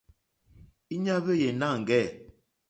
Íɲá hwéyè nâŋɡɛ̂.